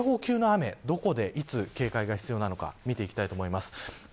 では警報級の雨、どこでいつ警戒が必要なのか見ていきたいと思います。